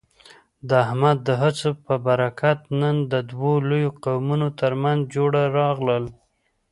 د احمد د هڅو په برکت، نن د دوو لویو قومونو ترمنځ جوړه راغله.